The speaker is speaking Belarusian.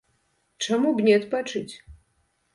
Чаму б не адпачыць?